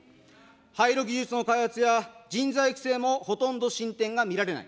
廃炉技術の開発や、人材育成もほとんど進展が見られない。